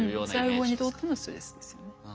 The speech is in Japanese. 細胞にとってのストレスですよね。